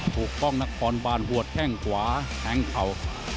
ปกป้องนักความบ้านหัวแข้งขวาแข้งเข่า